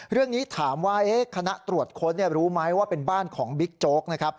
เรื่องนี้ถามว่าคณะตรวจค้นรู้ไหมว่าเป็นบ้านของบิ๊กโจ๊กนะครับ